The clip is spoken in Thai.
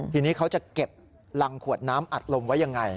ทีนี้เขาจะเก็บรังขวดน้ำอัดลมไว้ยังไง